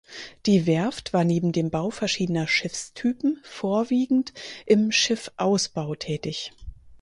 Die Werft war neben dem Bau verschiedener Schiffstypen vorwiegend im Schiffausbau tätig.